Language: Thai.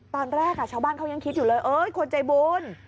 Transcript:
ตอนแรกชาวบ้านเขายังคิดอยู่เลยคนใจบุญ